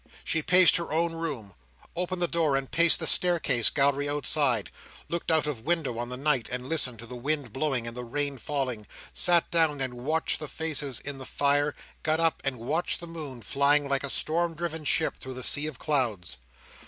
She paced her own room, opened the door and paced the staircase gallery outside, looked out of window on the night, listened to the wind blowing and the rain falling, sat down and watched the faces in the fire, got up and watched the moon flying like a storm driven ship through the sea of clouds.